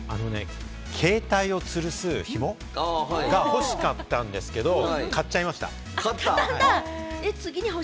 ケータイを吊るすひも。が欲しかったんですけれど、買っちゃいました。